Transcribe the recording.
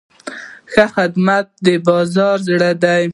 ښه خدمت د بازار زړه دی.